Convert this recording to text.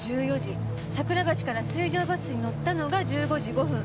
桜橋から水上バスに乗ったのが１５時５分。